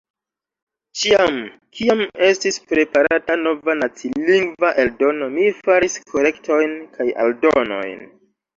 Ĉiam, kiam estis preparata nova nacilingva eldono, mi faris korektojn kaj aldonojn.